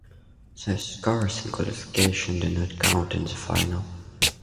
The scores in qualification do not count in the final.